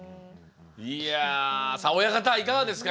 いやさあ親方いかがですか？